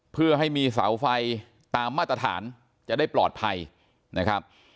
เพื่อให้มีเสาไฟตามมาตรฐานจะได้ปลอดภัยนะครับ